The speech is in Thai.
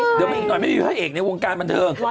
เดี๋ยวมีอีกหน่อยไม่มีผู้ให้เอกในวงการบรรเทิง